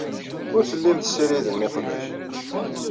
Ur tellim tessiridem iqbac.